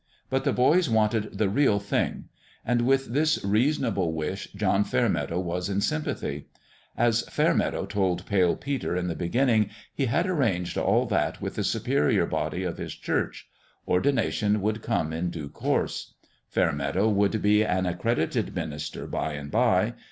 But the boys wanted the "real thing." And with this reasonable wish John Fairmeadow was in sympathy. As Fairmeadow told Pale Peter in the beginning, he had arranged all that with the Superior Body of his Church. Ordination would come in due course. Fairmeadow would be an accredited minister by and by.